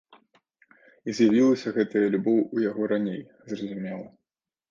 І з'явілася гэтая любоў у яго раней, зразумела.